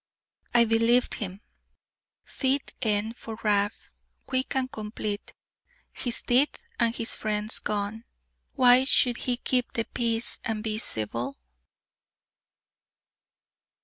I believed him. Fit end for Rab, quick and complete. His teeth and his friends gone, why should he keep the peace and be civil?